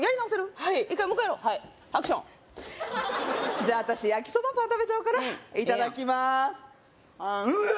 はいもう一回やろうはいアクションじゃあ私焼きそばパン食べちゃおうかなええやんいただきますうわー！